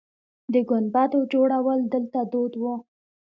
د ګنبدو جوړول دلته دود و